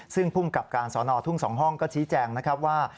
ซึ่งภูมิกับการสอนอทุ่ง๒ห้องก็ชี้แจงนะครับว่า